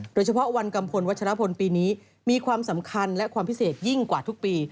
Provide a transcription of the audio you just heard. โดยเฉพาะวันกัมพลวัชรพลปีนี้มีความสำคัญและความพิเศษยิ่งกว่าทุกปี